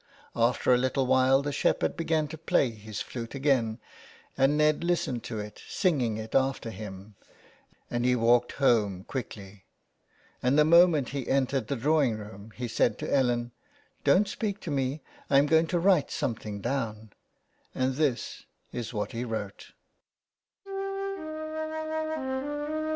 After a little while the shepherd began to play his flute again ; and Ned listened to it singing it after him, and he walked home quickly, and the moment he entered the drawingroom he said to Ellen " Don't speak to me j I am going to write something down," and this is what he wrote :— 388 THE WILD GOOSE.